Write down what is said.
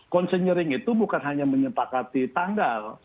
konseinyering itu bukan hanya menyepakati tanggal